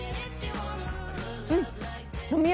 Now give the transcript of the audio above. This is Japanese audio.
うん。